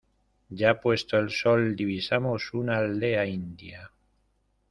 ya puesto el sol divisamos una aldea india.